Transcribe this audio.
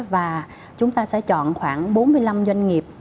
và chúng ta sẽ chọn khoảng bốn mươi năm doanh nghiệp